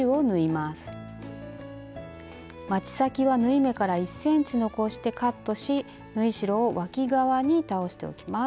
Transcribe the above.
まち先は縫い目から１ｃｍ残してカットし縫い代をわき側に倒しておきます。